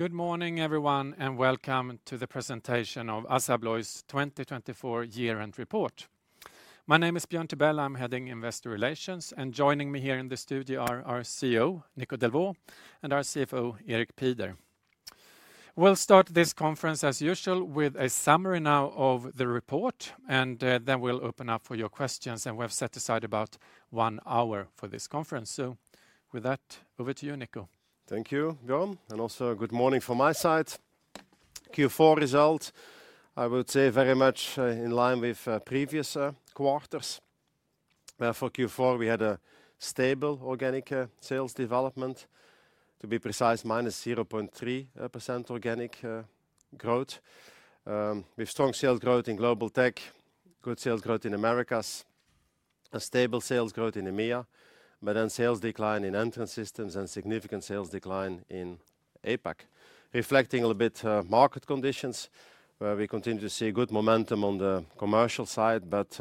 Good morning, everyone, and welcome to the presentation of Assa Abloy's 2024 year-end report. My name is Björn Tibell, I'm heading Investor Relations, and joining me here in the studio are our CEO, Nico Delvaux, and our CFO, Erik Pieder. We'll start this conference, as usual, with a summary now of the report, and then we'll open up for your questions. We have set aside about one hour for this conference. So, with that, over to you, Nico. Thank you, Björn, and also good morning from my side. Q4 results, I would say, very much in line with previous quarters. For Q4, we had a stable organic sales development, to be precise: minus 0.3% organic growth. We have strong sales growth in Global Tech, good sales growth in Americas, a stable sales growth in EMEA, but then sales decline in Entrance Systems and significant sales decline in APAC, reflecting a little bit market conditions. We continue to see good momentum on the commercial side, but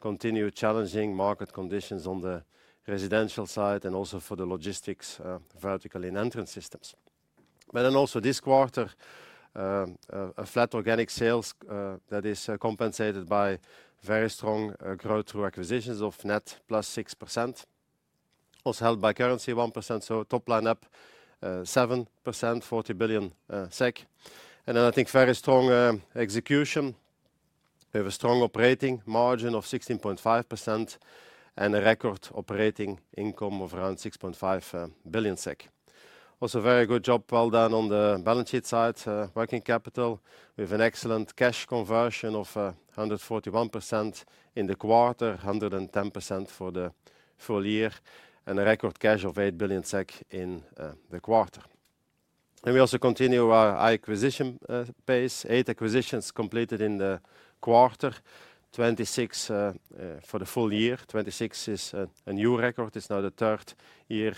continue challenging market conditions on the residential side and also for the logistics vertical in Entrance Systems. Then also this quarter, a flat organic sales that is compensated by very strong growth through acquisitions of net plus 6%, also helped by currency 1%, so top line up 7%, 40 billion SEK. And then I think very strong execution. We have a strong operating margin of 16.5% and a record operating income of around 6.5 billion SEK. Also, very good job, well done on the balance sheet side, working capital. We have an excellent cash conversion of 141% in the quarter, 110% for the full year, and a record cash of 8 billion SEK in the quarter. And we also continue our high acquisition pace: eight acquisitions completed in the quarter, 26 for the full year. 26 is a new record. It's now the third year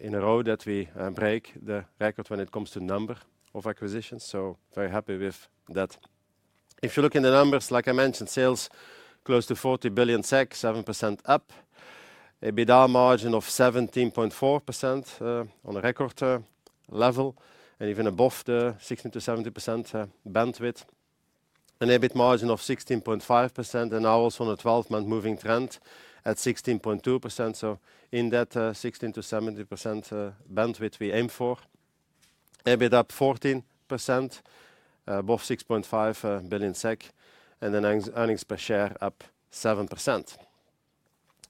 in a row that we break the record when it comes to number of acquisitions, so very happy with that. If you look in the numbers, like I mentioned, sales close to 40 billion, 7% up, EBITDA margin of 17.4% on a record level, and even above the 16 to 17.0% bandwidth, an EBIT margin of 16.5%, and now also on a 12-month moving trend at 16.2%. So, in that 16 to 17.0% bandwidth we aim for, EBIT up 14%, above 6.5 billion SEK, and then earnings per share up 7%.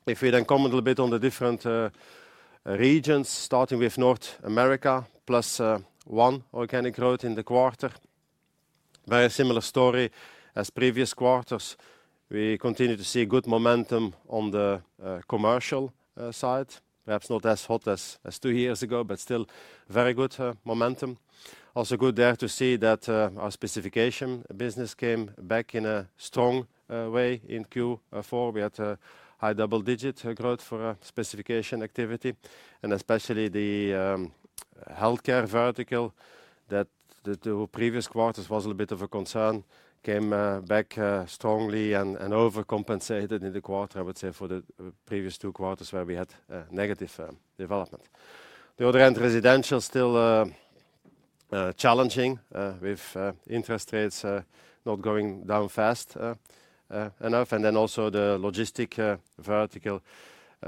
If we then comment a little bit on the different regions, starting with North America, plus one organic growth in the quarter, very similar story as previous quarters. We continue to see good momentum on the commercial side, perhaps not as hot as two years ago, but still very good momentum. Also good there to see that our specification business came back in a strong way in Q4. We had a high double-digit growth for specification activity, and especially the healthcare vertical that the previous quarters was a little bit of a concern came back strongly and overcompensated in the quarter, I would say, for the previous two quarters where we had negative development. The other end, residential, still challenging with interest rates not going down fast enough, and then also the logistic vertical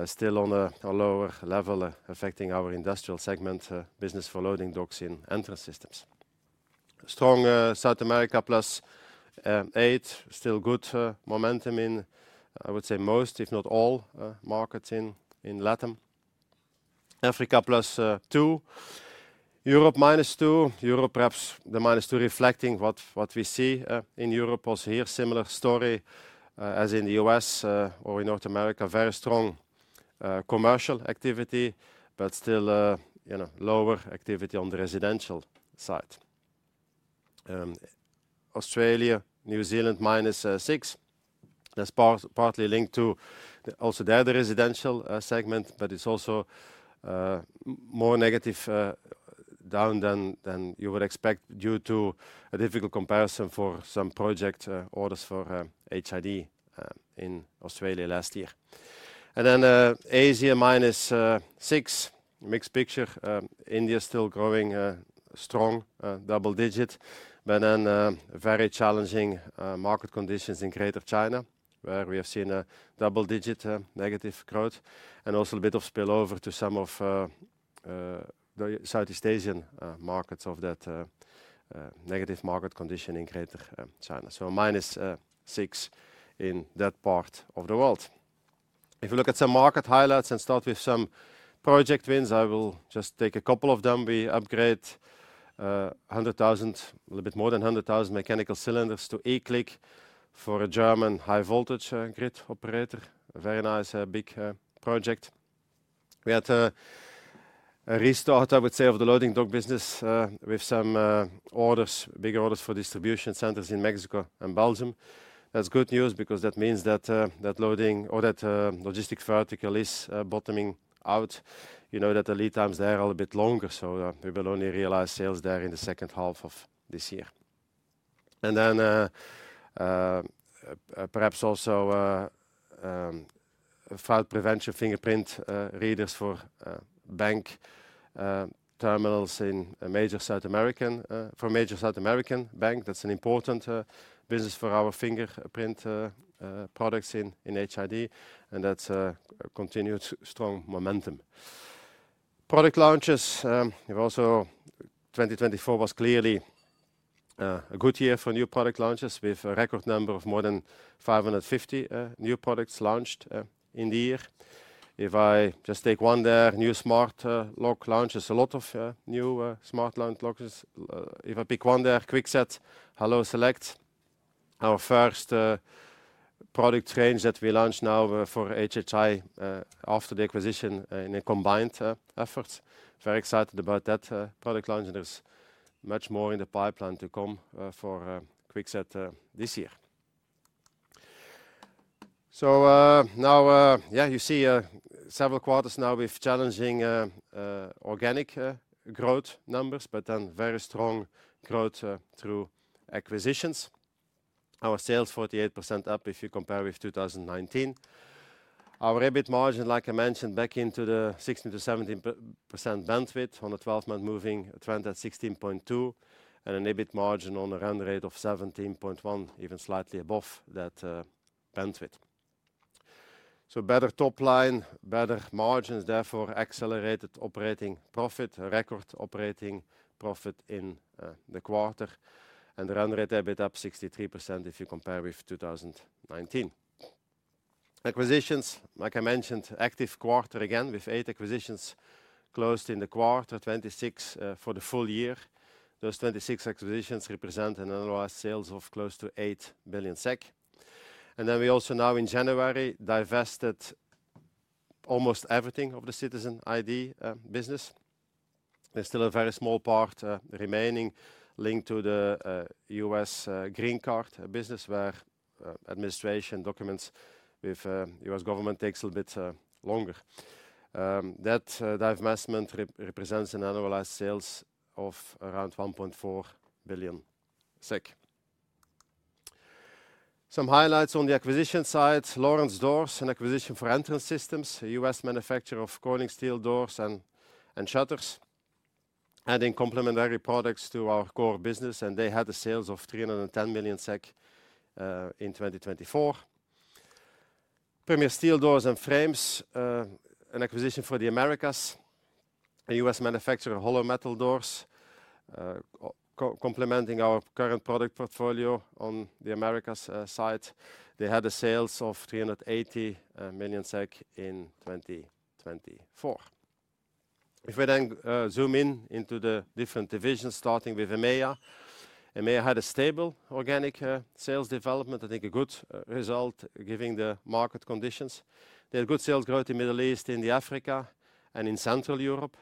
still on a lower level, affecting our industrial segment business for loading docks in entrance systems. Strong South America, plus 8%, still good momentum in, I would say, most, if not all, markets in Latam. Africa plus 2%, Europe minus 2%, Europe perhaps the minus 2%, reflecting what we see in Europe. Also here, similar story as in the U.S. or in North America, very strong commercial activity, but still lower activity on the residential side. Australia, New Zealand -6%, that's partly linked to also the other residential segment, but it's also more negative down than you would expect due to a difficult comparison for some project orders for HID in Australia last year. Then Asia -6%, mixed picture. India is still growing strong, double-digit, but then very challenging market conditions in Greater China, where we have seen a double-digit negative growth and also a bit of spillover to some of the Southeast Asian markets of that negative market condition in Greater China. Minus six in that part of the world. If we look at some market highlights and start with some project wins, I will just take a couple of them. We upgrade 100,000, a little bit more than 100,000 mechanical cylinders to eCLIQ for a German high-voltage grid operator, a very nice big project. We had a restart, I would say, of the loading dock business with some orders, big orders for distribution centers in Mexico and Belgium. That's good news because that means that that loading or that logistics vertical is bottoming out. You know that the lead times there are a little bit longer, so we will only realize sales there in the second half of this year. And then perhaps also fraud prevention fingerprint readers for bank terminals in major South American for major South American bank. That's an important business for our fingerprint products in HID, and that's continued strong momentum. Product launches, you've also 2024 was clearly a good year for new product launches. We have a record number of more than 550 new products launched in the year. If I just take one there, new smart lock launches, a lot of new smart lock launches. If I pick one there, Kwikset Halo Select, our first product range that we launched now for HHI after the acquisition in a combined effort. Very excited about that product launch, and there's much more in the pipeline to come for Kwikset this year. So now, yeah, you see several quarters now with challenging organic growth numbers, but then very strong growth through acquisitions. Our sales 48% up if you compare with 2019. Our EBIT margin, like I mentioned, back into the 16%-17% bandwidth on a 12-month moving trend at 16.2%, and an EBIT margin on a run rate of 17.1%, even slightly above that bandwidth. So better top line, better margins, therefore accelerated operating profit, record operating profit in the quarter, and the run rate EBIT up 63% if you compare with 2019. Acquisitions, like I mentioned, active quarter again with eight acquisitions closed in the quarter, 26 for the full year. Those 26 acquisitions represent an annualized sales of close to 8 billion SEK. And then we also now in January divested almost everything of the citizen ID business. There's still a very small part remaining linked to the U.S. green card business where administration documents with U.S. government takes a little bit longer. That divestment represents an annualized sales of around 1.4 billion SEK. Some highlights on the acquisition side, Lawrence Doors, an acquisition for entrance systems, a U.S. manufacturer of coiling steel doors and shutters, adding complementary products to our core business, and they had a sales of 310 million SEK in 2024. Premier Steel Doors and Frames, an acquisition for the Americas, a U.S. manufacturer, Hollow Metal Doors, complementing our current product portfolio on the Americas side. They had a sales of 380 million SEK in 2024. If we then zoom in into the different divisions, starting with EMEA, EMEA had a stable organic sales development, I think a good result giving the market conditions. They had good sales growth in the Middle East, in Africa, and in Central Europe.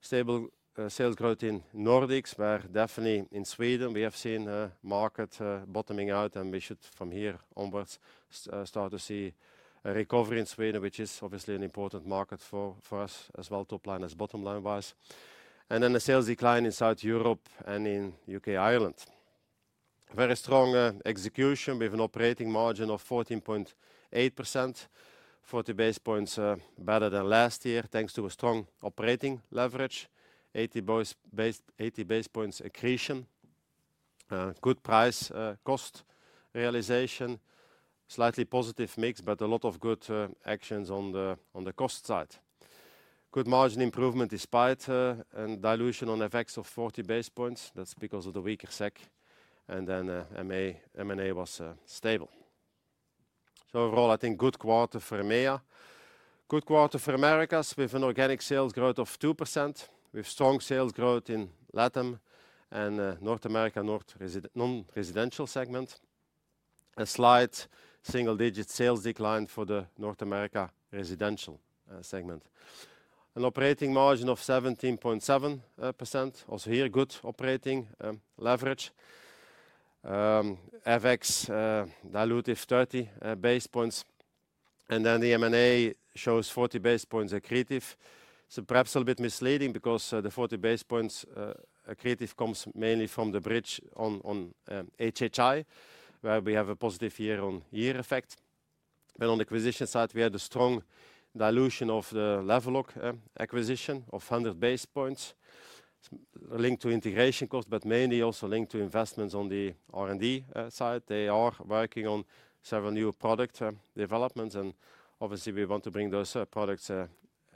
Stable sales growth in Nordics, where definitely in Sweden we have seen market bottoming out, and we should from here onwards start to see a recovery in Sweden, which is obviously an important market for us as well, top line as bottom line wise, and then a sales decline in South Europe and in UK Ireland. Very strong execution with an operating margin of 14.8%, 40 basis points better than last year thanks to a strong operating leverage, 80 basis points accretion, good price cost realization, slightly positive mix, but a lot of good actions on the cost side. Good margin improvement despite a dilution on effects of 40 basis points. That's because of the weaker SEK, and then M&A was stable, so overall, I think good quarter for EMEA, good quarter for Americas with an organic sales growth of 2%, with strong sales growth in Latam and North America, non-residential segment, a slight single-digit sales decline for the North America residential segment. An operating margin of 17.7%, also here good operating leverage, FX dilutive 30 basis points, and then the M&A shows 40 basis points accretive. So perhaps a little bit misleading because the 40 basis points accretive comes mainly from the bridge on HHI, where we have a positive year-on-year effect. But on the acquisition side, we had a strong dilution of the Level Lock acquisition of 100 basis points, linked to integration costs, but mainly also linked to investments on the R&D side. They are working on several new product developments, and obviously we want to bring those products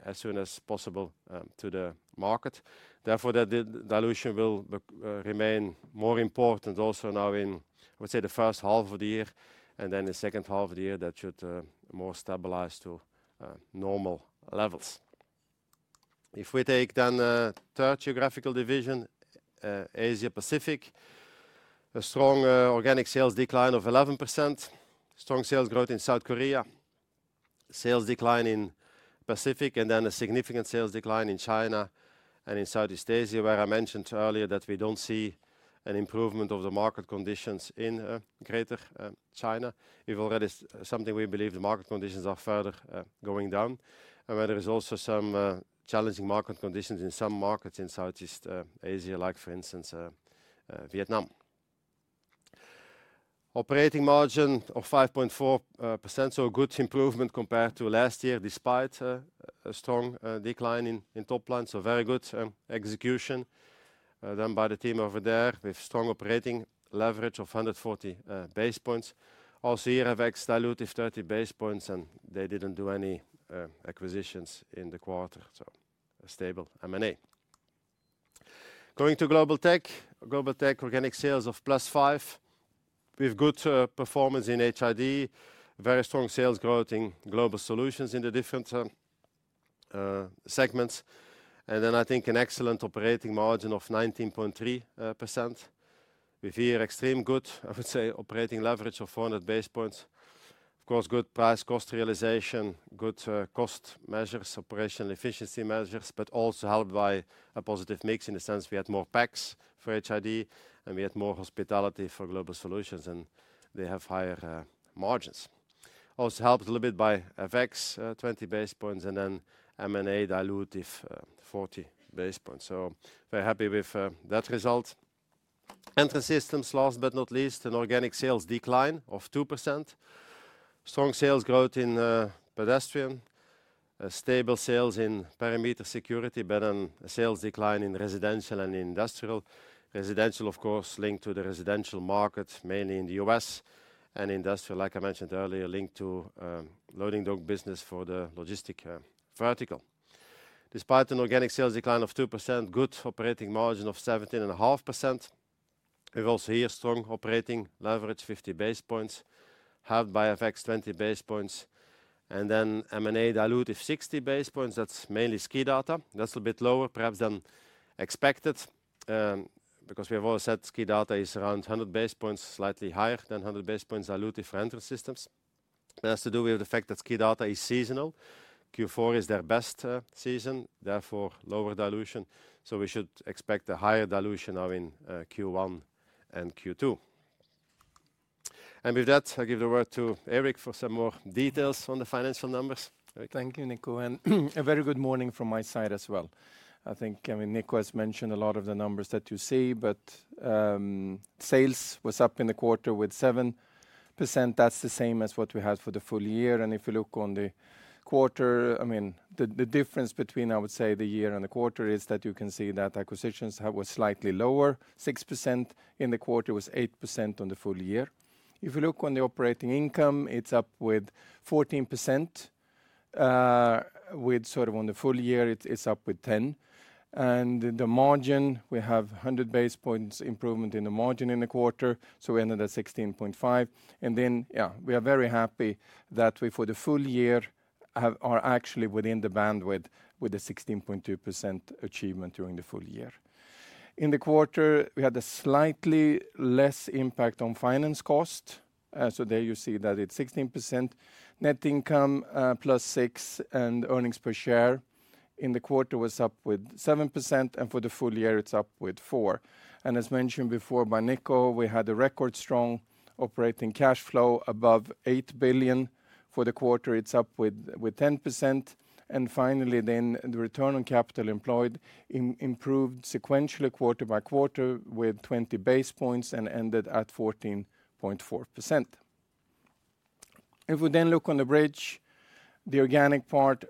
as soon as possible to the market. Therefore, that dilution will remain more important also now in, I would say, the first half of the year, and then the second half of the year that should more stabilize to normal levels. If we take the third geographical division, Asia Pacific, a strong organic sales decline of 11%, strong sales growth in South Korea, sales decline in Pacific, and then a significant sales decline in China and in Southeast Asia, where I mentioned earlier that we don't see an improvement of the market conditions in Greater China. We've already something we believe the market conditions are further going down, and where there is also some challenging market conditions in some markets in Southeast Asia, like for instance Vietnam. Operating margin of 5.4%, so a good improvement compared to last year despite a strong decline in top line, so very good execution. Then by the team over there with strong operating leverage of 140 basis points. Also here, FX dilutive 30 basis points, and they didn't do any acquisitions in the quarter, so a stable M&A. Going to global tech, global tech organic sales of +5%, with good performance in HID, very strong sales growth in Global Solutions in the different segments, and then I think an excellent operating margin of 19.3%. We've here extremely good, I would say, operating leverage of 400 basis points. Of course, good price cost realization, good cost measures, operational efficiency measures, but also helped by a positive mix in the sense we had more PACs for HID, and we had more hospitality for Global Solutions, and they have higher margins. Also helped a little bit by FX 20 basis points, and then M&A dilutive 40 basis points. So very happy with that result. Entrance systems, last but not least, an organic sales decline of 2%, strong sales growth in pedestrian, stable sales in perimeter security, but then a sales decline in residential and industrial. Residential, of course, linked to the residential market, mainly in the U.S., and industrial, like I mentioned earlier, linked to loading dock business for the logistic vertical. Despite an organic sales decline of 2%, good operating margin of 17.5%. We've also here strong operating leverage, 50 basis points, helped by FX 20 basis points, and then M&A dilutive 60 basis points. That's mainly SKIDATA. That's a little bit lower perhaps than expected because we have always said SKIDATA is around 100 basis points, slightly higher than 100 basis points dilutive for entrance systems. That has to do with the fact that SKIDATA is seasonal. Q4 is their best season, therefore lower dilution. So we should expect a higher dilution now in Q1 and Q2. And with that, I give the word to Erik for some more details on the financial numbers. Thank you, Nico, and a very good morning from my side as well. I think, I mean, Nico has mentioned a lot of the numbers that you see, but sales was up in the quarter with 7%. That's the same as what we had for the full year. And if you look on the quarter, I mean, the difference between, I would say, the year and the quarter is that you can see that acquisitions were slightly lower, 6% in the quarter was 8% on the full year. If you look on the operating income, it's up with 14%, with sort of on the full year, it's up with 10. And the margin, we have 100 basis points improvement in the margin in the quarter, so we ended at 16.5%. And then, yeah, we are very happy that we for the full year are actually within the bandwidth with a 16.2% achievement during the full year. In the quarter, we had a slightly less impact on finance cost. So there you see that it's 16% net income plus 6 and earnings per share. In the quarter, it was up with 7%, and for the full year, it's up with 4. And as mentioned before by Nico, we had a record strong operating cash flow above 8 billion for the quarter. It's up with 10%. And finally, then the return on capital employed improved sequentially quarter by quarter with 20 basis points and ended at 14.4%. If we then look on the bridge, the organic part,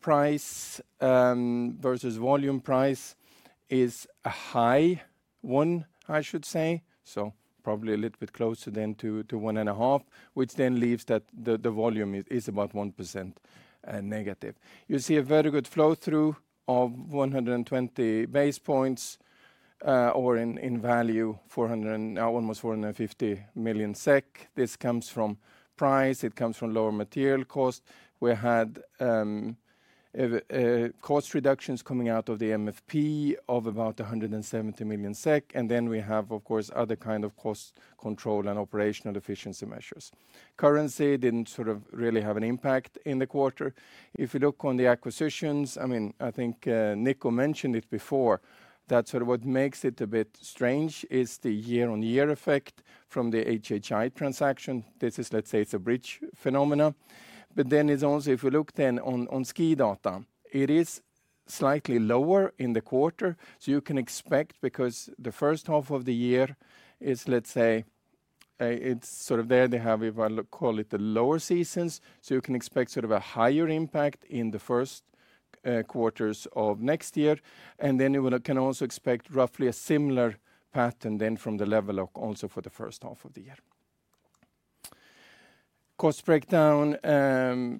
price versus volume price is a high one, I should say, so probably a little bit closer than to one and a half, which then leaves that the volume is about 1% negative. You see a very good flow through of 120 basis points or in value, almost 450 million SEK. This comes from price. It comes from lower material cost. We had cost reductions coming out of the MFP of about 170 million SEK, and then we have, of course, other kind of cost control and operational efficiency measures. Currency didn't sort of really have an impact in the quarter. If you look on the acquisitions, I mean, I think Nico mentioned it before, that sort of what makes it a bit strange is the year-on-year effect from the HHI transaction. This is, let's say, it's a bridge phenomenon. But then it's also, if you look then on Skidata, it is slightly lower in the quarter, so you can expect because the first half of the year is, let's say, it's sort of there. They have, if I call it the lower seasons, so you can expect sort of a higher impact in the first quarters of next year. And then you can also expect roughly a similar pattern then from the Levelock also for the first half of the year. Cost breakdown,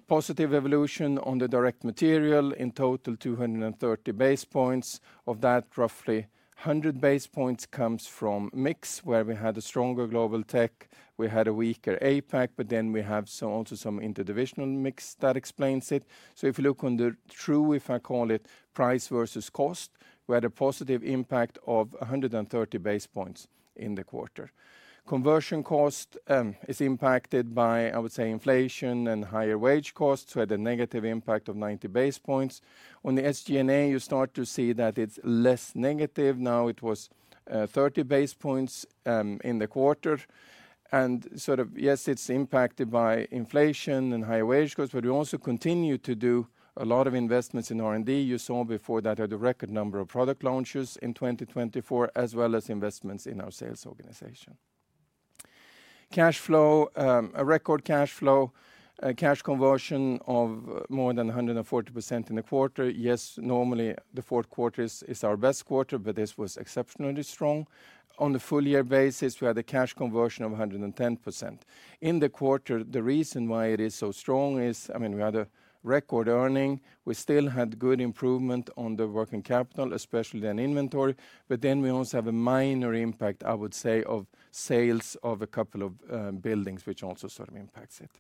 positive evolution on the direct material in total 230 basis points. Of that, roughly 100 basis points comes from mix where we had a stronger Global Technologies. We had a weaker APAC, but then we have also some interdivisional mix that explains it. So if you look at the true, if I call it price versus cost, we had a positive impact of 130 basis points in the quarter. Conversion cost is impacted by, I would say, inflation and higher wage costs, so had a negative impact of 90 basis points. On the SG&A, you start to see that it's less negative. Now it was 30 basis points in the quarter. Sort of, yes, it's impacted by inflation and higher wage costs, but we also continue to do a lot of investments in R&D. You saw before that had a record number of product launches in 2024, as well as investments in our sales organization. Cash flow, a record cash flow, cash conversion of more than 140% in the quarter. Yes, normally the fourth quarter is our best quarter, but this was exceptionally strong. On the full year basis, we had a cash conversion of 110%. In the quarter, the reason why it is so strong is, I mean, we had a record earnings. We still had good improvement on the working capital, especially in inventory, but then we also have a minor impact, I would say, of sales of a couple of buildings, which also sort of impacts it.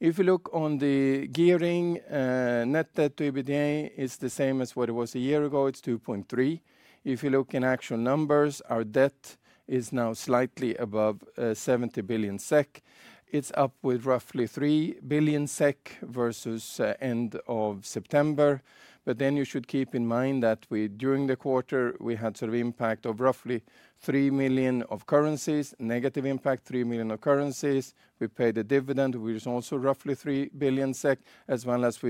If you look on the gearing, net debt to EBITDA is the same as what it was a year ago. It's 2.3 If you look in actual numbers, our debt is now slightly above 70 billion SEK. It's up with roughly 3 billion SEK versus end of September. But then you should keep in mind that during the quarter, we had sort of impact of roughly 3 billion of currencies, negative impact. We paid a dividend, which is also roughly 3 billion SEK, as well as we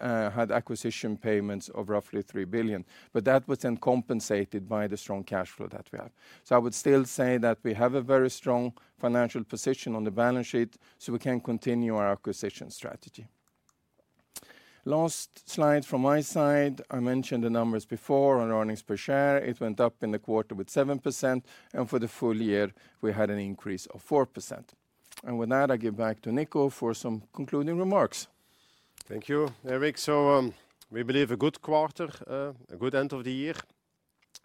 had acquisition payments of roughly 3 billion. But that was then compensated by the strong cash flow that we have. So I would still say that we have a very strong financial position on the balance sheet, so we can continue our acquisition strategy. Last slide from my side. I mentioned the numbers before on earnings per share. It went up in the quarter with 7%, and for the full year, we had an increase of 4%. And with that, I give back to Nico for some concluding remarks. Thank you, Erik. So we believe a good quarter, a good end of the year.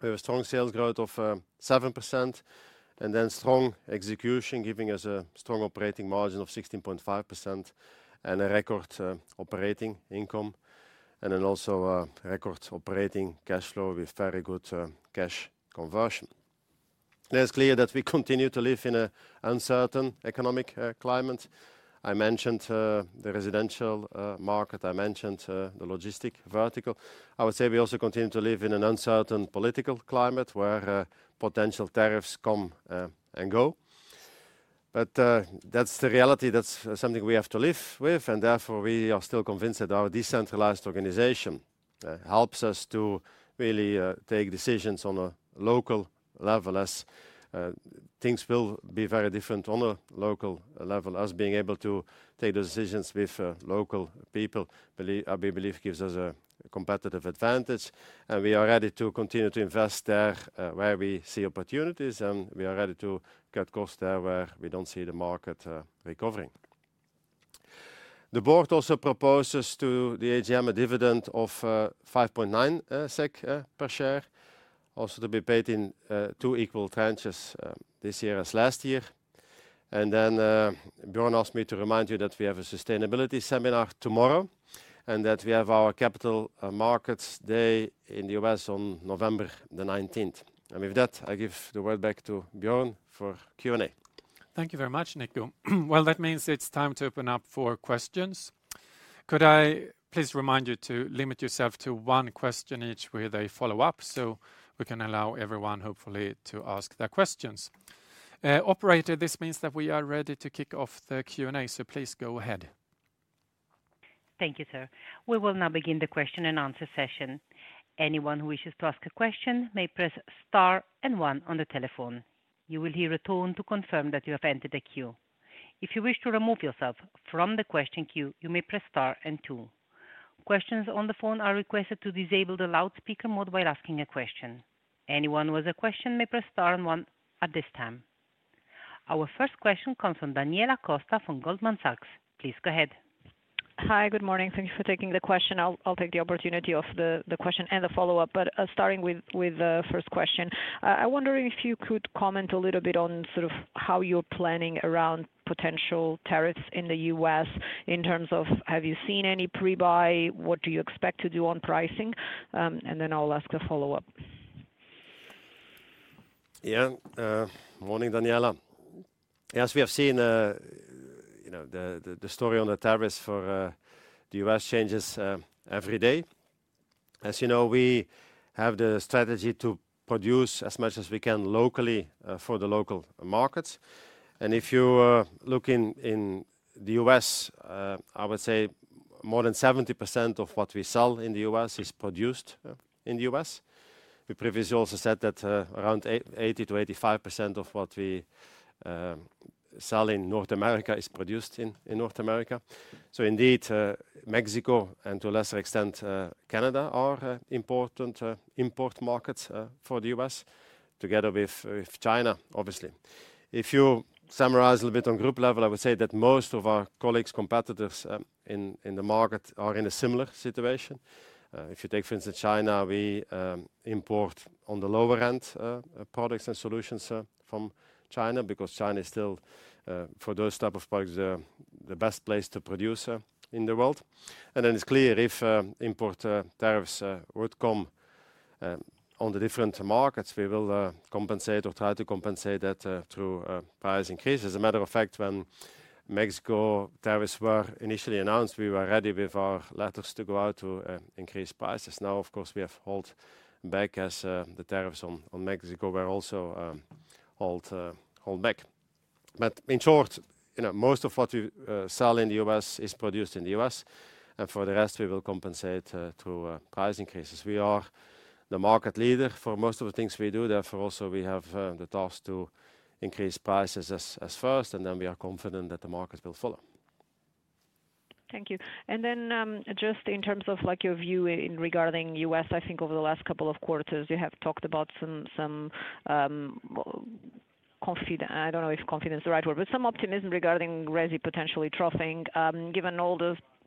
We have a strong sales growth of 7%, and then strong execution giving us a strong operating margin of 16.5% and a record operating income, and then also a record operating cash flow with very good cash conversion. It's clear that we continue to live in an uncertain economic climate. I mentioned the residential market. I mentioned the logistic vertical. I would say we also continue to live in an uncertain political climate where potential tariffs come and go. But that's the reality. That's something we have to live with, and therefore we are still convinced that our decentralized organization helps us to really take decisions on a local level as things will be very different on a local level. Our being able to take those decisions with local people, we believe gives us a competitive advantage, and we are ready to continue to invest there where we see opportunities, and we are ready to cut costs there where we don't see the market recovering. The board also proposes to the AGM a dividend of 5.9 SEK per share, also to be paid in two equal tranches this year as last year. And then Björn asked me to remind you that we have a sustainability seminar tomorrow and that we have our Capital Markets Day in the U.S. on November the 19th. And with that, I give the word back to Björn for Q&A. Thank you very much, Nico. Well, that means it's time to open up for questions. Could I please remind you to limit yourself to one question each with a follow-up so we can allow everyone hopefully to ask their questions? Operator, this means that we are ready to kick off the Q&A, so please go ahead. Thank you, sir. We will now begin the question and answer session. Anyone who wishes to ask a question may press star and one on the telephone. You will hear a tone to confirm that you have entered the queue. If you wish to remove yourself from the question queue, you may press star and two. Questions on the phone are requested to disable the loudspeaker mode while asking a question. Anyone who has a question may press star and one at this time. Our first question comes from Daniela Costa from Goldman Sachs. Please go ahead. Hi, good morning. Thank you for taking the question. I'll take the opportunity of the question and the follow-up, but starting with the first question, I wonder if you could comment a little bit on sort of how you're planning around potential tariffs in the US in terms of have you seen any pre-buy? What do you expect to do on pricing? And then I'll ask the follow-up. Yeah, morning, Daniela. As we have seen, the story on the tariffs for the US changes every day. As you know, we have the strategy to produce as much as we can locally for the local markets. And if you look in the US, I would say more than 70% of what we sell in the US is produced in the US. We previously also said that around 80%-85% of what we sell in North America is produced in North America. So indeed, Mexico and to a lesser extent, Canada are important import markets for the U.S., together with China, obviously. If you summarize a little bit on group level, I would say that most of our colleagues, competitors in the market are in a similar situation. If you take, for instance, China, we import on the lower end products and solutions from China because China is still, for those types of products, the best place to produce in the world. And then it's clear if import tariffs would come on the different markets, we will compensate or try to compensate that through price increases. As a matter of fact, when Mexico tariffs were initially announced, we were ready with our letters to go out to increase prices. Now, of course, we have held back as the tariffs on Mexico were also held back. But in short, most of what we sell in the U.S. is produced in the U.S., and for the rest, we will compensate through price increases. We are the market leader for most of the things we do. Therefore, also we have the task to increase prices as first, and then we are confident that the market will follow. Thank you, and then just in terms of your view regarding the U.S., I think over the last couple of quarters, you have talked about some confidence, I don't know if confidence is the right word, but some optimism regarding Resi potentially troughing. Given all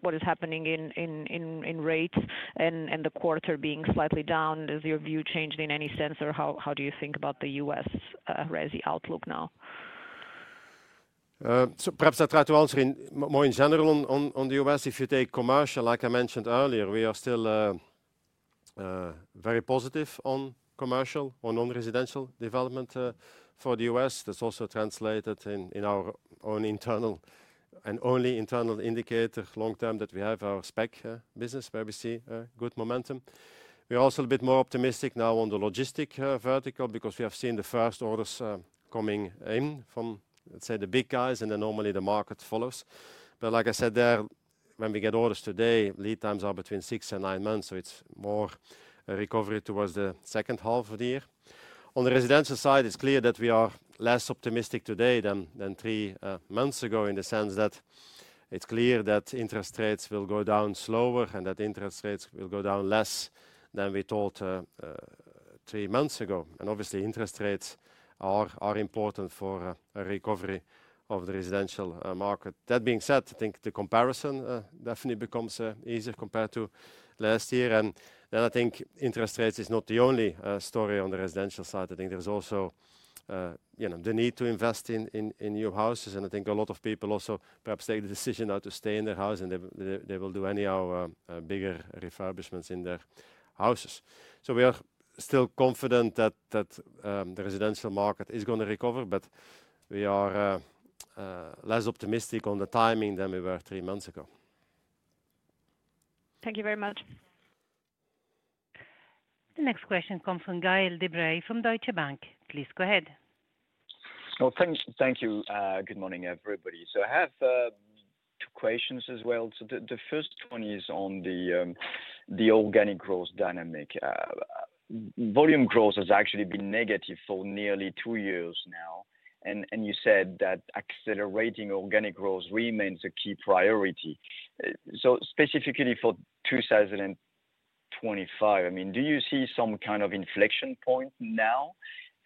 what is happening in rates and the quarter being slightly down, has your view changed in any sense, or how do you think about the U.S. Resi outlook now? So, perhaps I try to answer in more general on the U.S. If you take commercial, like I mentioned earlier, we are still very positive on commercial, on non-residential development for the U.S. That's also translated in our own internal and only internal indicator long term that we have our spec business where we see good momentum. We are also a bit more optimistic now on the logistic vertical because we have seen the first orders coming in from, let's say, the big guys, and then normally the market follows. But like I said there, when we get orders today, lead times are between six and nine months, so it's more recovery towards the second half of the year. On the residential side, it's clear that we are less optimistic today than three months ago in the sense that it's clear that interest rates will go down slower and that interest rates will go down less than we thought three months ago. Obviously, interest rates are important for a recovery of the residential market. That being said, I think the comparison definitely becomes easier compared to last year. Then I think interest rates is not the only story on the residential side. I think there's also the need to invest in new houses, and I think a lot of people also perhaps take the decision now to stay in their house, and they will do any of our bigger refurbishments in their houses. We are still confident that the residential market is going to recover, but we are less optimistic on the timing than we were three months ago. Thank you very much. The next question comes from Gael de-Bray from Deutsche Bank. Please go ahead. Thank you. Good morning, everybody. I have two questions as well. The first one is on the organic growth dynamic. Volume growth has actually been negative for nearly two years now, and you said that accelerating organic growth remains a key priority. So specifically for 2025, I mean, do you see some kind of inflection point now,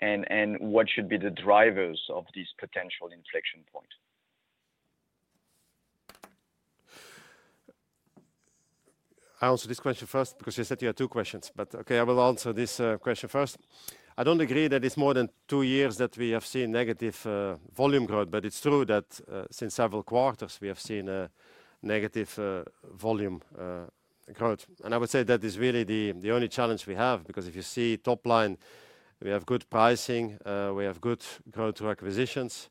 and what should be the drivers of this potential inflection point? I answer this question first because you said you had two questions, but okay, I will answer this question first. I don't agree that it's more than two years that we have seen negative volume growth, but it's true that since several quarters we have seen negative volume growth, and I would say that is really the only challenge we have because if you see top line, we have good pricing, we have good growth to acquisitions.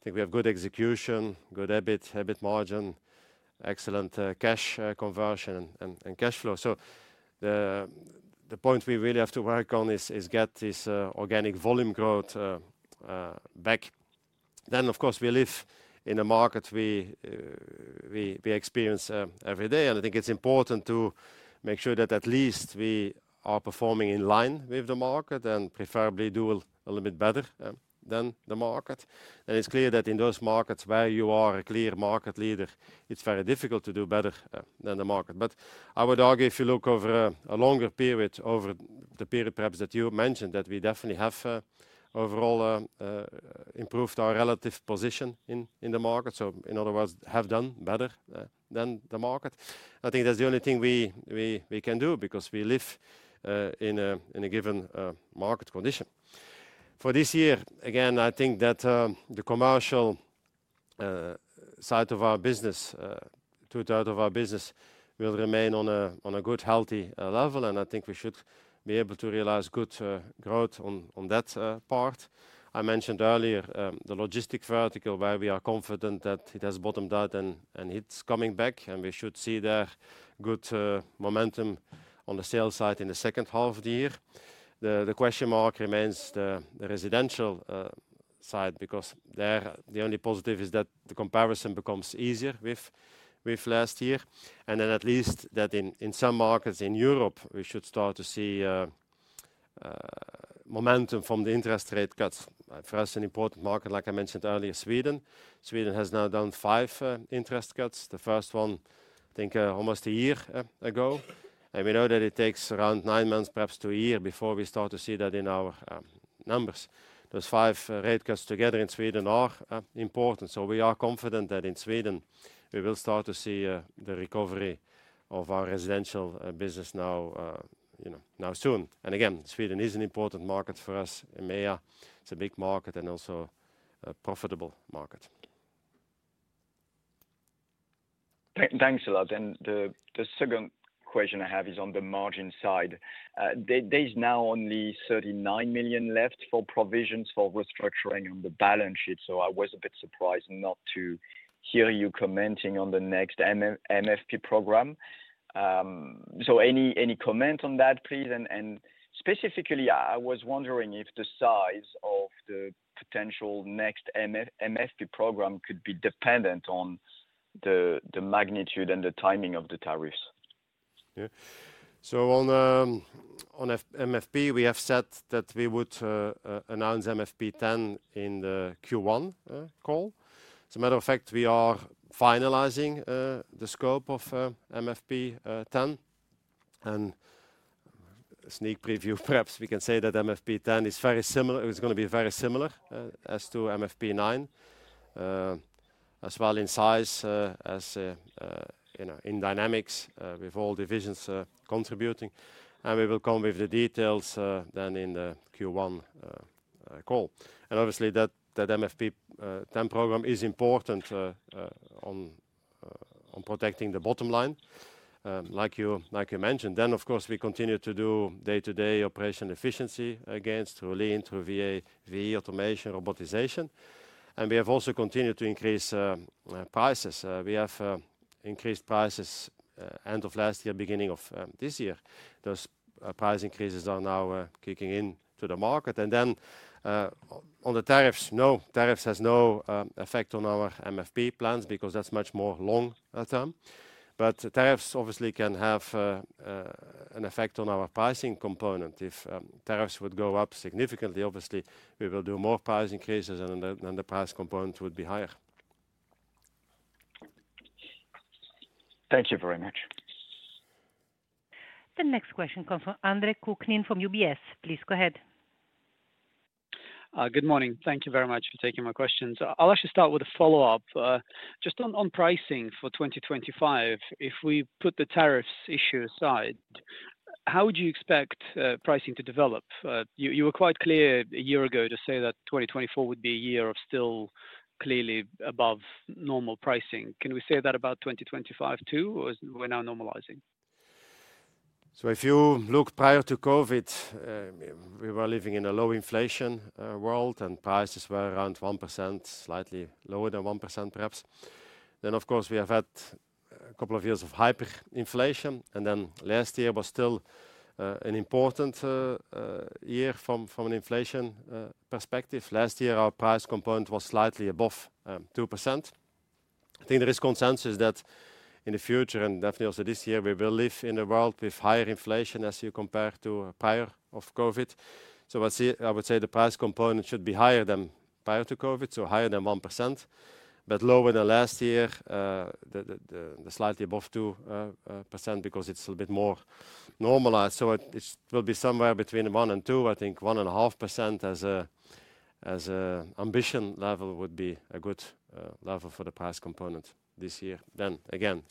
I think we have good execution, good EBIT margin, excellent cash conversion and cash flow. So the point we really have to work on is get this organic volume growth back. Then, of course, we live in a market we experience every day, and I think it's important to make sure that at least we are performing in line with the market and preferably do a little bit better than the market. And it's clear that in those markets where you are a clear market leader, it's very difficult to do better than the market. But I would argue if you look over a longer period, over the period perhaps that you mentioned that we definitely have overall improved our relative position in the market. So in other words, have done better than the market. I think that's the only thing we can do because we live in a given market condition. For this year, again, I think that the commercial side of our business, two-thirds of our business will remain on a good, healthy level, and I think we should be able to realize good growth on that part. I mentioned earlier the logistics vertical where we are confident that it has bottomed out and it's coming back, and we should see there good momentum on the sales side in the second half of the year. The question mark remains the residential side because there the only positive is that the comparison becomes easier with last year. And then at least that in some markets in Europe, we should start to see momentum from the interest rate cuts. For us, an important market, like I mentioned earlier, Sweden. Sweden has now done five interest cuts. The first one, I think almost a year ago. And we know that it takes around nine months, perhaps two years before we start to see that in our numbers. Those five rate cuts together in Sweden are important. So we are confident that in Sweden, we will start to see the recovery of our residential business now soon. And again, Sweden is an important market for us. It's a big market and also a profitable market. Thanks a lot. And the second question I have is on the margin side. There's now only 39 million left for provisions for restructuring on the balance sheet. So I was a bit surprised not to hear you commenting on the next MFP program. So any comment on that, please? And specifically, I was wondering if the size of the potential next MFP program could be dependent on the magnitude and the timing of the tariffs. So on MFP, we have said that we would announce MFP 10 in the Q1 call. As a matter of fact, we are finalizing the scope of MFP 10. And a sneak preview, perhaps we can say that MFP 10 is very similar. It's going to be very similar as to MFP 9, as well in size as in dynamics with all divisions contributing. And we will come with the details then in the Q1 call. And obviously, that MFP 10 program is important on protecting the bottom line, like you mentioned. Then, of course, we continue to do day-to-day operation efficiency against through lean, through VA, VE automation, robotization. And we have also continued to increase prices. We have increased prices end of last year, beginning of this year. Those price increases are now kicking into the market. And then on the tariffs, no, tariffs have no effect on our MFP plans because that's much more long term. But tariffs obviously can have an effect on our pricing component. If tariffs would go up significantly, obviously, we will do more price increases and then the price component would be higher. Thank you very much. The next question comes from Andre Kukhnin from UBS. Please go ahead. Good morning. Thank you very much for taking my questions. I'll actually start with a follow-up. Just on pricing for 2025, if we put the tariffs issue aside, how would you expect pricing to develop? You were quite clear a year ago to say that 2024 would be a year of still clearly above normal pricing. Can we say that about 2025 too, or are we now normalizing? So if you look prior to COVID, we were living in a low inflation world and prices were around 1%, slightly lower than 1% perhaps. Then, of course, we have had a couple of years of hyperinflation, and then last year was still an important year from an inflation perspective. Last year, our price component was slightly above 2%. I think there is consensus that in the future, and definitely also this year, we will live in a world with higher inflation as you compare to prior to COVID. So I would say the price component should be higher than prior to COVID, so higher than 1%, but lower than last year, slightly above 2% because it's a little bit more normalized. So it will be somewhere between 1% and 2%. I think 1.5% as an ambition level would be a good level for the price component this year. Then, again,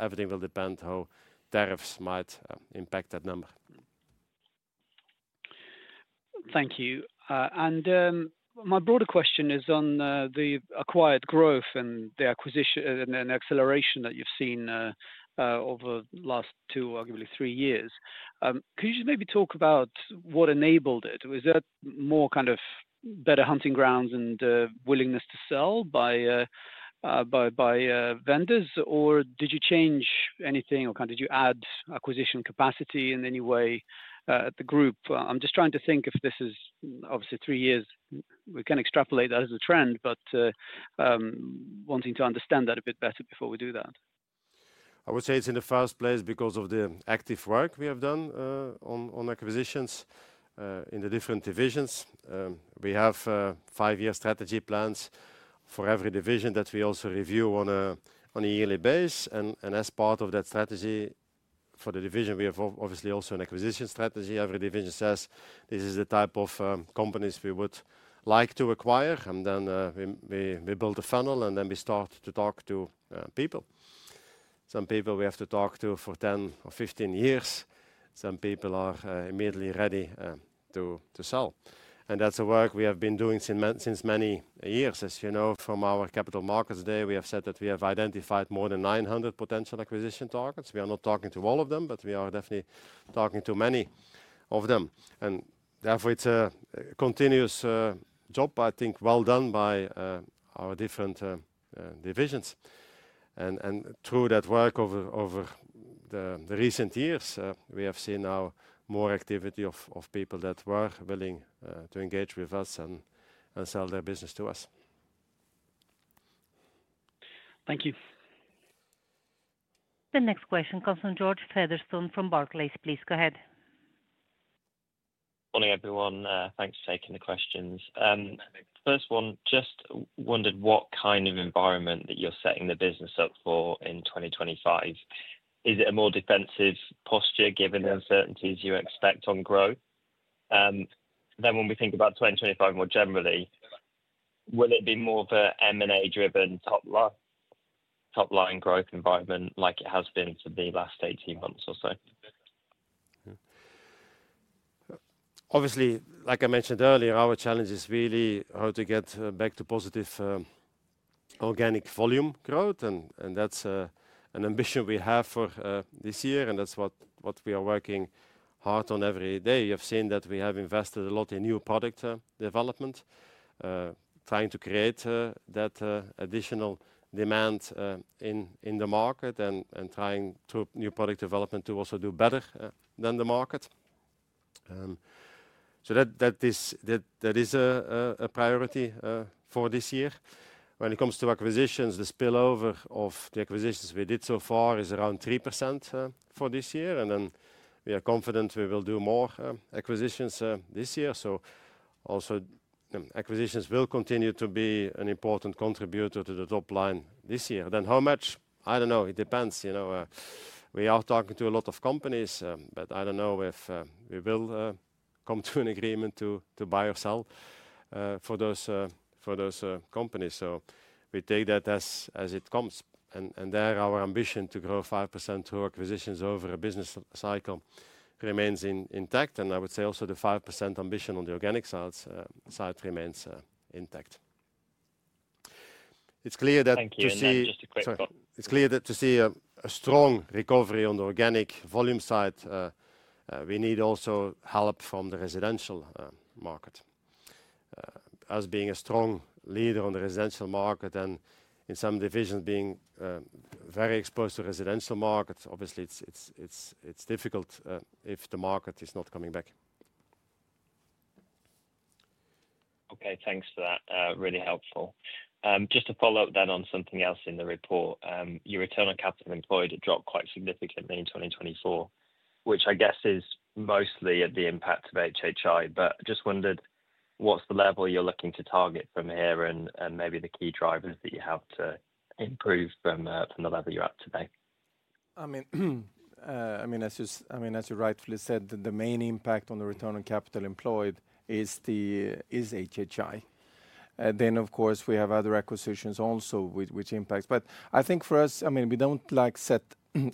everything will depend on how tariffs might impact that number. Thank you. And my broader question is on the acquired growth and the acquisition and acceleration that you've seen over the last two, arguably three years. Could you just maybe talk about what enabled it? Was that more kind of better hunting grounds and willingness to sell by vendors, or did you change anything, or kind of did you add acquisition capacity in any way at the group? I'm just trying to think if this is obviously three years. We can extrapolate that as a trend, but wanting to understand that a bit better before we do that. I would say it's in the first place because of the active work we have done on acquisitions in the different divisions. We have five-year strategy plans for every division that we also review on a yearly basis. As part of that strategy for the division, we have obviously also an acquisition strategy. Every division says, "This is the type of companies we would like to acquire." Then we build a funnel, and then we start to talk to people. Some people we have to talk to for 10 or 15 years. Some people are immediately ready to sell. That's a work we have been doing since many years. As you know, from our Capital Markets Day, we have said that we have identified more than 900 potential acquisition targets. We are not talking to all of them, but we are definitely talking to many of them. Therefore, it's a continuous job, I think, well done by our different divisions. Through that work over the recent years, we have seen now more activity of people that were willing to engage with us and sell their business to us. Thank you. The next question comes from George Featherstone from Barclays. Please go ahead. Good morning, everyone. Thanks for taking the questions. First one, just wondered what kind of environment that you're setting the business up for in 2025. Is it a more defensive posture given the uncertainties you expect on growth? Then when we think about 2025 more generally, will it be more of an M&A-driven top-line growth environment like it has been for the last 18 months or so? Obviously, like I mentioned earlier, our challenge is really how to get back to positive organic volume growth. That's an ambition we have for this year, and that's what we are working hard on every day. You have seen that we have invested a lot in new product development, trying to create that additional demand in the market and trying through new product development to also do better than the market. So that is a priority for this year. When it comes to acquisitions, the spillover of the acquisitions we did so far is around 3% for this year. And then we are confident we will do more acquisitions this year. So also acquisitions will continue to be an important contributor to the top line this year. Then how much? I don't know. It depends. We are talking to a lot of companies, but I don't know if we will come to an agreement to buy or sell for those companies. So we take that as it comes. And there our ambition to grow 5% through acquisitions over a business cycle remains intact. I would say also the 5% ambition on the organic side remains intact. It's clear to see a strong recovery on the organic volume side, we need also help from the residential market. As being a strong leader on the residential market and in some divisions being very exposed to residential markets, obviously it's difficult if the market is not coming back. Okay. Thanks for that. Really helpful. Just to follow up then on something else in the report, your return on capital employed had dropped quite significantly in 2024, which I guess is mostly at the impact of HHI. But just wondered what's the level you're looking to target from here and maybe the key drivers that you have to improve from the level you're at today? I mean, as you rightfully said, the main impact on the return on capital employed is HHI. Then, of course, we have other acquisitions also with impacts. But I think for us, I mean, we don't set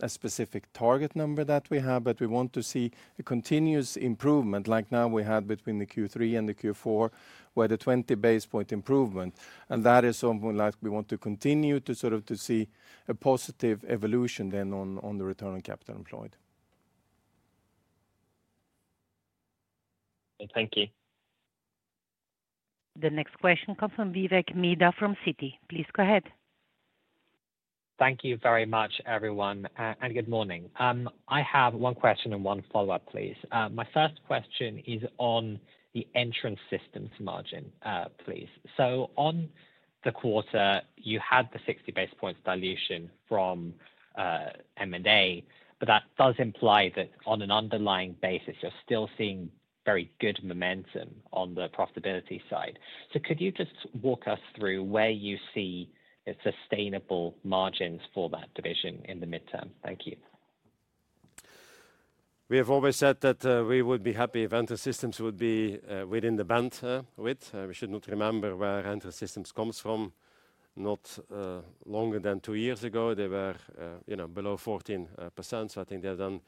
a specific target number that we have, but we want to see a continuous improvement like now we had between the Q3 and the Q4, where the 20 basis point improvement. And that is something like we want to continue to sort of see a positive evolution then on the return on capital employed. Thank you. The next question comes from Vivek Midha from Citi. Please go ahead. Thank you very much, everyone. And good morning. I have one question and one follow-up, please. My first question is on the entrance systems margin, please. So on the quarter, you had the 60 basis points dilution from M&A, but that does imply that on an underlying basis, you're still seeing very good momentum on the profitability side. So could you just walk us through where you see sustainable margins for that division in the midterm? Thank you. We have always said that we would be happy if entrance systems would be within the bandwidth. We should not remember where entrance systems come from. Not longer than two years ago, they were below 14%. So I think they've done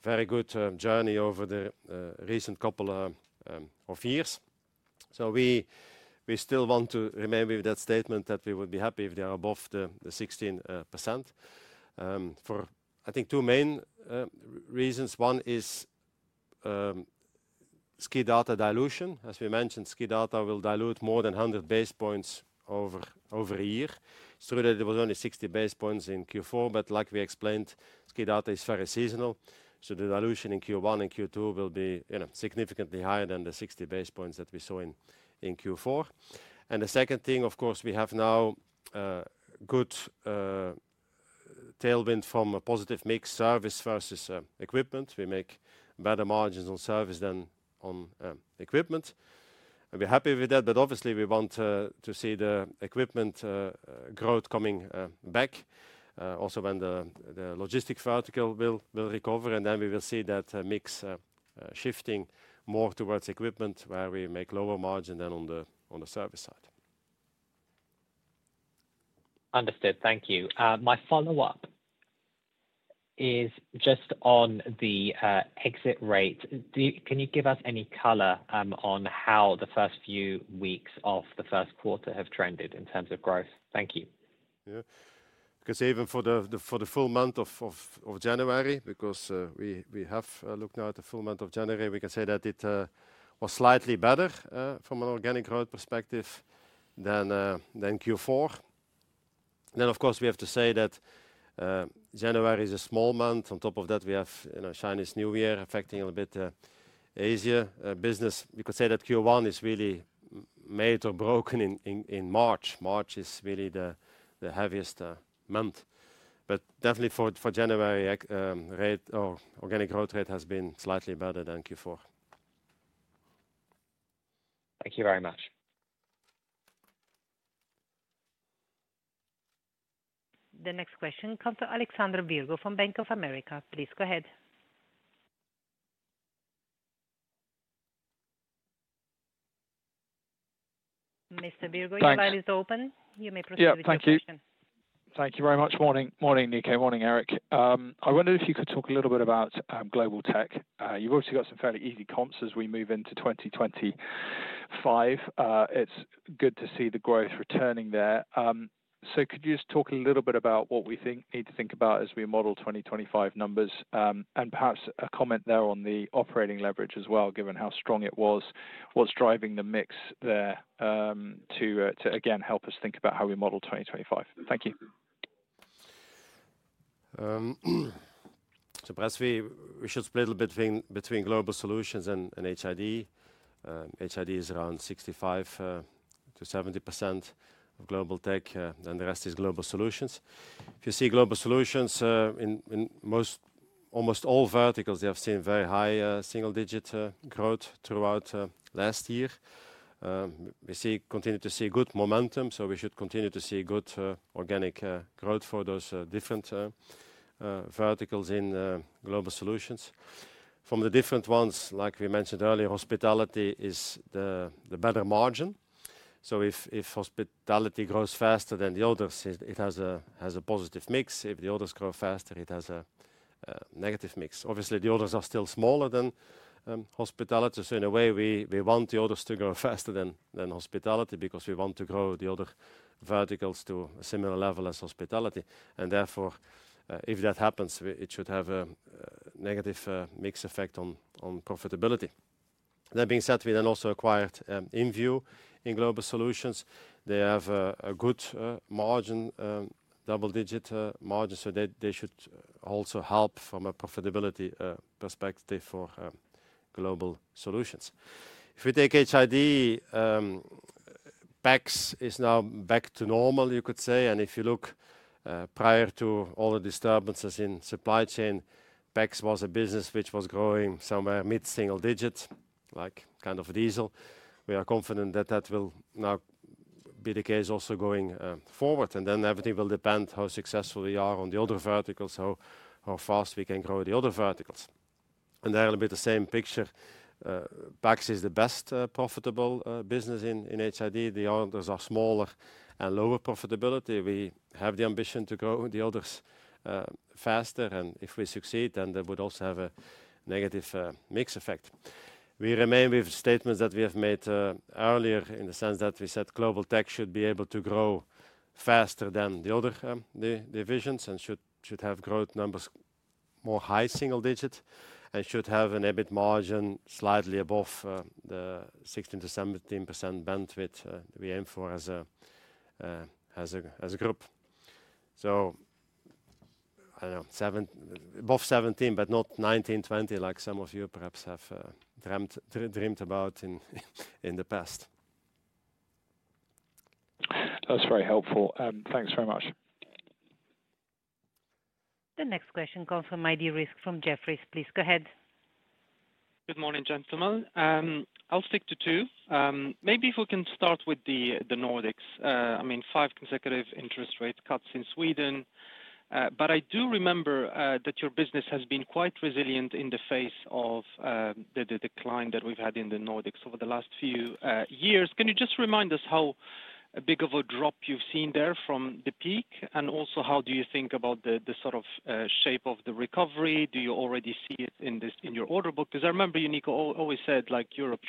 a very good journey over the recent couple of years. So we still want to remember that statement that we would be happy if they are above the 16% for, I think, two main reasons. One is SKIDATA dilution. As we mentioned, SKIDATA will dilute more than 100 basis points over a year. It's true that it was only 60 basis points in Q4, but like we explained, SKIDATA is very seasonal. So the dilution in Q1 and Q2 will be significantly higher than the 60 basis points that we saw in Q4. And the second thing, of course, we have now good tailwind from a positive mix service versus equipment. We make better margins on service than on equipment. And we're happy with that, but obviously, we want to see the equipment growth coming back, also when the logistics vertical will recover. And then we will see that mix shifting more towards equipment where we make lower margin than on the service side. Understood. Thank you. My follow-up is just on the exit rate. Can you give us any color on how the first few weeks of the first quarter have trended in terms of growth? Thank you. Because even for the full month of January, because we have looked now at the full month of January, we can say that it was slightly better from an organic growth perspective than Q4. Then, of course, we have to say that January is a small month. On top of that, we have Chinese New Year affecting a bit the Asia business. We could say that Q1 is really made or broken in March. March is really the heaviest month. But definitely for January, organic growth rate has been slightly better than Q4. Thank you very much. The next question comes to Alexander Virgo from Bank of America. Please go ahead. Mr. Virgo, your file is open. You may proceed with your question. Thank you very much. Morning, Nico. Morning, Erik. I wondered if you could talk a little bit about global tech. You've obviously got some fairly easy comps as we move into 2025. It's good to see the growth returning there. So could you just talk a little bit about what we need to think about as we model 2025 numbers? And perhaps a comment there on the operating leverage as well, given how strong it was, what's driving the mix there to, again, help us think about how we model 2025? Thank you. So perhaps we should split a bit between global solutions and HID. HID is around 65%-70% of global tech, and the rest is global solutions. If you see global solutions, in almost all verticals, they have seen very high single-digit growth throughout last year. We continue to see good momentum, so we should continue to see good organic growth for those different verticals in global solutions. From the different ones, like we mentioned earlier, hospitality is the better margin. So if hospitality grows faster than the others, it has a positive mix. If the others grow faster, it has a negative mix. Obviously, the others are still smaller than hospitality. So in a way, we want the others to grow faster than hospitality because we want to grow the other verticals to a similar level as hospitality. And therefore, if that happens, it should have a negative mix effect on profitability. That being said, we then also acquired InVue in global solutions. They have a good margin, double-digit margin, so they should also help from a profitability perspective for global solutions. If we take HID, PACS is now back to normal, you could say. And if you look prior to all the disturbances in supply chain, PEX was a business which was growing somewhere mid-single digit, like kind of a diesel. We are confident that that will now be the case also going forward. And then everything will depend how successful we are on the other verticals, how fast we can grow the other verticals. And there will be the same picture. PEX is the best profitable business in HID. The others are smaller and lower profitability. We have the ambition to grow the others faster. And if we succeed, then that would also have a negative mix effect. We remain with statements that we have made earlier in the sense that we said global tech should be able to grow faster than the other divisions and should have growth numbers more high single digit and should have an EBIT margin slightly above the 16%-17% bandwidth we aim for as a group, so above 17%, but not 19%, 20%, like some of you perhaps have dreamed about in the past. That's very helpful. Thanks very much. The next question comes from Rizk Maidi from Jefferies. Please go ahead. Good morning, gentlemen. I'll stick to two. Maybe if we can start with the Nordics. I mean, five consecutive interest rate cuts in Sweden, but I do remember that your business has been quite resilient in the face of the decline that we've had in the Nordics over the last few years. Can you just remind us how big of a drop you've seen there from the peak? And also how do you think about the sort of shape of the recovery? Do you already see it in your order book? Because I remember you, Nico, always said Europe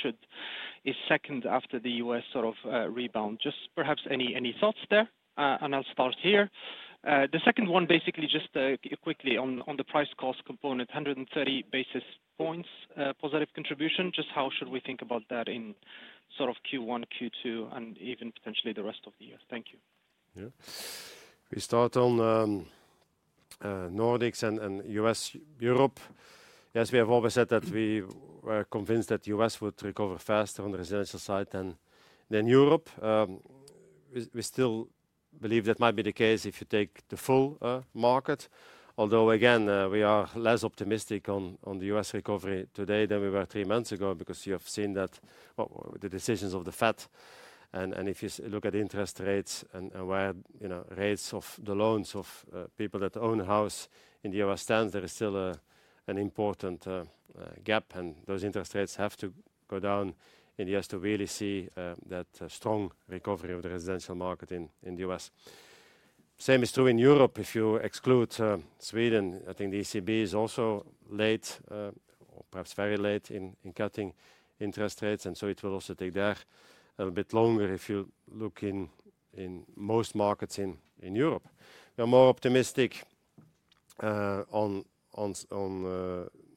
is second after the U.S. sort of rebound. Just perhaps any thoughts there? And I'll start here. The second one, basically just quickly on the price cost component, 130 basis points positive contribution. Just how should we think about that in sort of Q1, Q2, and even potentially the rest of the year? Thank you. We start on Nordics and U.S. Europe. Yes, we have always said that we were convinced that the U.S. would recover faster on the residential side than Europe. We still believe that might be the case if you take the full market. Although, again, we are less optimistic on the U.S. recovery today than we were three months ago because you have seen the decisions of the Fed, and if you look at interest rates and where rates of the loans of people that own a house in the U.S. stands, there is still an important gap. And those interest rates have to go down in the U.S. to really see that strong recovery of the residential market in the U.S. Same is true in Europe. If you exclude Sweden, I think the ECB is also late, or perhaps very late in cutting interest rates, and so it will also take there a bit longer if you look in most markets in Europe. We are more optimistic on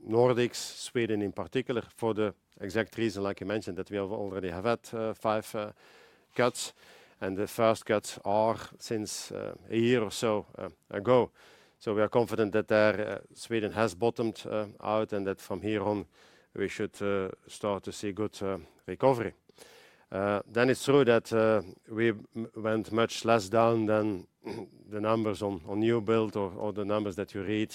Nordics, Sweden in particular, for the exact reason like you mentioned that we already have had five cuts. The first cuts are since a year or so ago. We are confident that Sweden has bottomed out and that from here on we should start to see good recovery. It's true that we went much less down than the numbers on new build or the numbers that you read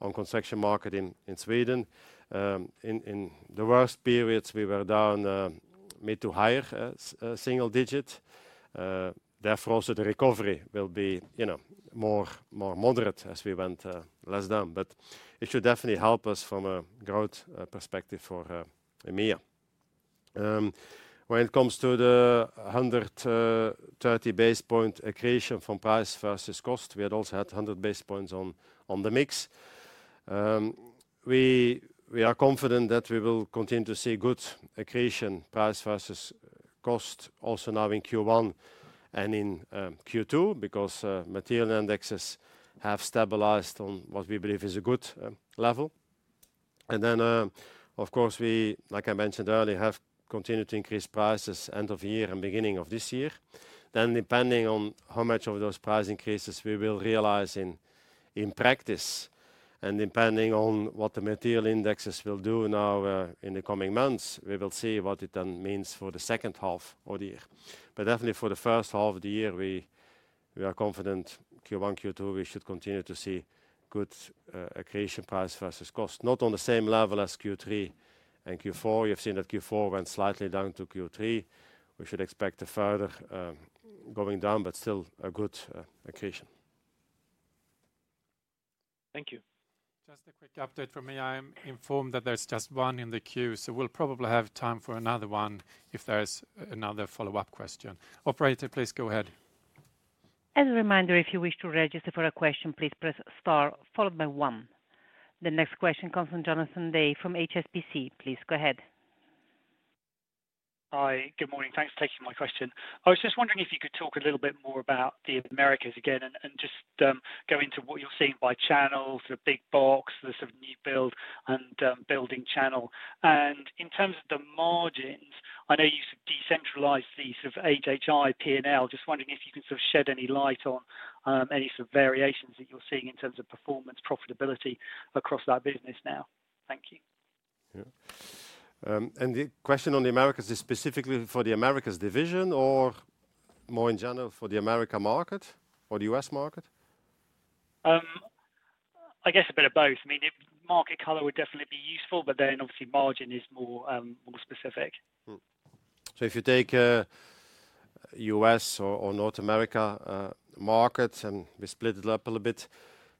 on construction market in Sweden. In the worst periods, we were down mid- to higher single-digit. Therefore, also the recovery will be more moderate as we went less down. It should definitely help us from a growth perspective for EMEA. When it comes to the 130 basis point accretion from price versus cost, we had also 100 basis points on the mix. We are confident that we will continue to see good accretion, price versus cost, also now in Q1 and in Q2 because material indexes have stabilized on what we believe is a good level. And then, of course, we, like I mentioned earlier, have continued to increase prices end of year and beginning of this year. Then, depending on how much of those price increases we will realize in practice and depending on what the material indexes will do now in the coming months, we will see what it then means for the second half of the year. But definitely for the first half of the year, we are confident Q1, Q2, we should continue to see good accretion price versus cost, not on the same level as Q3 and Q4. You've seen that Q4 went slightly down to Q3. We should expect a further going down, but still a good accretion. Thank you. Just a quick update from me. I am informed that there's just one in the queue, so we'll probably have time for another one if there's another follow-up question. Operator, please go ahead. As a reminder, if you wish to register for a question, please press star followed by one. The next question comes from Jonathan Day from HSBC. Please go ahead. Hi, good morning. Thanks for taking my question. I was just wondering if you could talk a little bit more about the Americas again and just go into what you're seeing by channels, the big box, the sort of new build and building channel. And in terms of the margins, I know you sort of decentralized the HHI, P&L. Just wondering if you can sort of shed any light on any sort of variations that you're seeing in terms of performance, profitability across that business now. Thank you. And the question on the Americas, is it specifically for the Americas division or more in general for the Americas market or the U.S. market? I guess a bit of both. I mean, market color would definitely be useful, but then obviously margin is more specific. So if you take U.S. or North America markets and we split it up a little bit,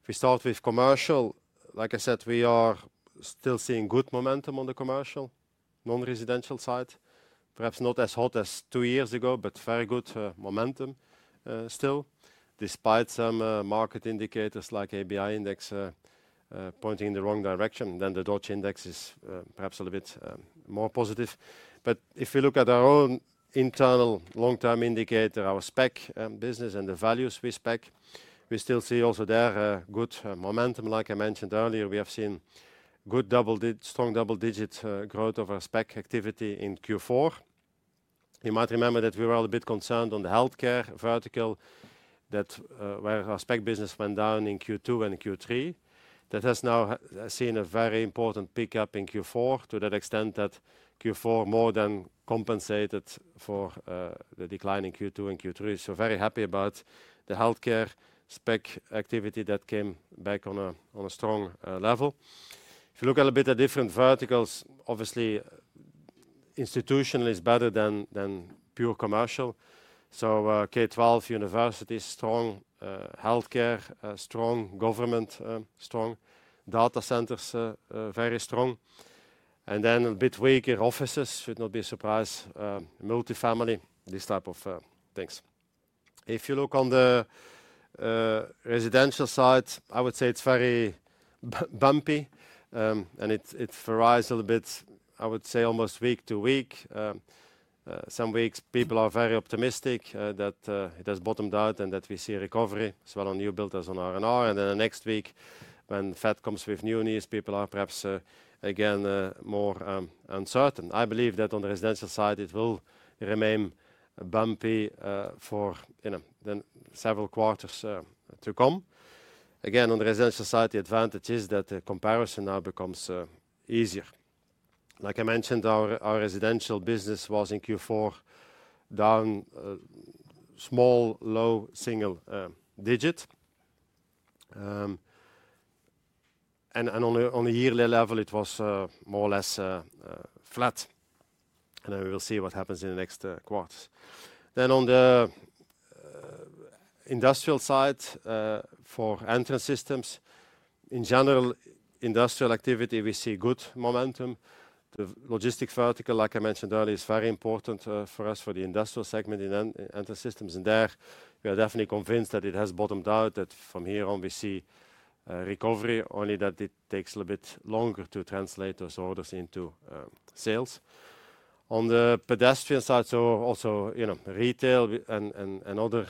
we start with commercial. Like I said, we are still seeing good momentum on the commercial non-residential side. Perhaps not as hot as two years ago, but very good momentum still. Despite some market indicators like ABI index pointing in the wrong direction, then the Dodge index is perhaps a little bit more positive. But if we look at our own internal long-term indicator, our SPAC business and the values we SPAC, we still see also there good momentum. Like I mentioned earlier, we have seen good strong double-digit growth of our SPAC activity in Q4. You might remember that we were a little bit concerned on the healthcare vertical that, where our SPAC business went down in Q2 and Q3. That has now seen a very important pickup in Q4 to that extent that Q4 more than compensated for the decline in Q2 and Q3. So very happy about the healthcare SPAC activity that came back on a strong level. If you look at a bit of different verticals, obviously institutional is better than pure commercial. So K-12 universities, strong healthcare, strong government, strong data centers, very strong. And then a bit weaker offices should not be a surprise, multi-family, these type of things. If you look on the residential side, I would say it's very bumpy and it varies a little bit. I would say almost week to week. Some weeks people are very optimistic that it has bottomed out and that we see recovery as well on new build as on R&R. And then the next week when the Fed comes with new news, people are perhaps again more uncertain. I believe that on the residential side it will remain bumpy for several quarters to come. Again, on the residential side, the advantage is that the comparison now becomes easier. Like I mentioned, our residential business was in Q4 down small, low single digit. And on a yearly level, it was more or less flat. And then we will see what happens in the next quarters. Then on the industrial side for entrance systems, in general, industrial activity, we see good momentum. The logistics vertical, like I mentioned earlier, is very important for us for the industrial segment in entrance systems. And there we are definitely convinced that it has bottomed out, that from here on we see recovery, only that it takes a little bit longer to translate those orders into sales. On the pedestrian side, so also retail and other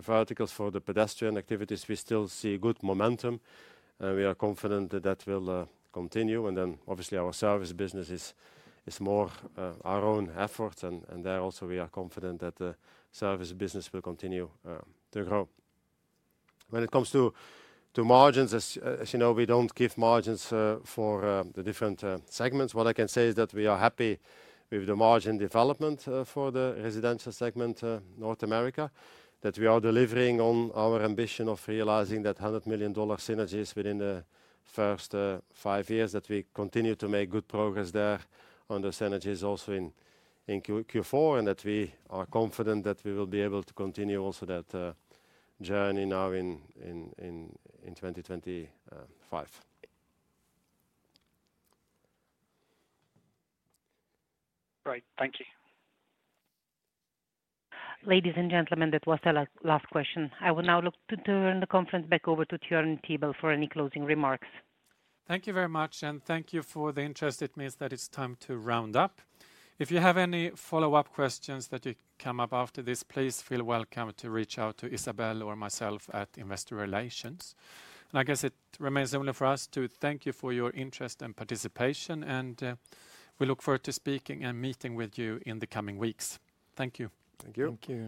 verticals for the pedestrian activities, we still see good momentum. And we are confident that that will continue. And then obviously our service business is more our own efforts. And there also we are confident that the service business will continue to grow. When it comes to margins, as you know, we don't give margins for the different segments. What I can say is that we are happy with the margin development for the residential segment, North America, that we are delivering on our ambition of realizing that $100 million synergies within the first five years, that we continue to make good progress there on the synergies also in Q4 and that we are confident that we will be able to continue also that journey now in 2025. Great. Thank you. Ladies and gentlemen, that was the last question. I will now look to turn the conference back over to Björn Tibell for any closing remarks. Thank you very much, and thank you for the interest. It means that it's time to round up. If you have any follow-up questions that you come up after this, please feel welcome to reach out to Isabelle or myself at Investor Relations. I guess it remains only for us to thank you for your interest and participation. We look forward to speaking and meeting with you in the coming weeks. Thank you. Thank you.